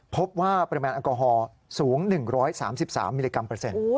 พบว่าปริมาณแอลกอฮอลสูง๑๓๓มิลลิกรัมเปอร์เซ็นต์